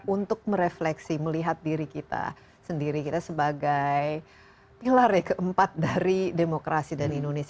untuk merefleksi melihat diri kita sendiri kita sebagai pilar ya keempat dari demokrasi dan indonesia